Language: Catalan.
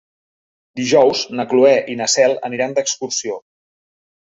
Dijous na Cloè i na Cel aniran d'excursió.